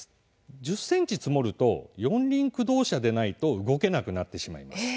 １０ｃｍ積もると四輪駆動車でないと動けなくなってしまいます。